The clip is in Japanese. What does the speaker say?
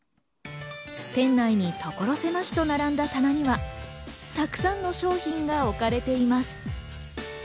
店内に所狭しと並んだ棚には、たくさんの商品が置かれています。